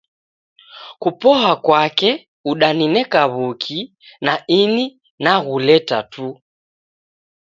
Kupoa kwake udanineka w'uki, na ini naghuleta tu.